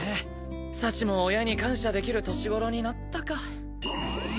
幸も親に感謝できる年頃になったか。